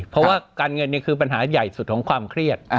เพราะว่าการเงินคือปัญหาใหญ่สุดของความเครียด